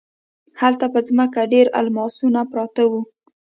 هلته په ځمکه ډیر الماسونه پراته وو.